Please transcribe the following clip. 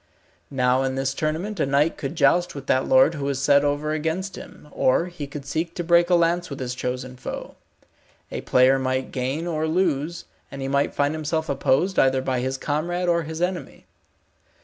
Now in this tournament a knight could joust with that lord who was set over against him, or he could seek to break a lance with his chosen foe. A player must gain or lose, and he might find himself opposed either by his comrade or his enemy.